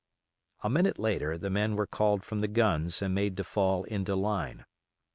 A minute later the men were called from the guns and made to fall into line.